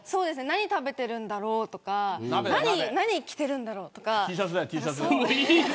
何食べてるんだろうとか何着てるんだろうとか。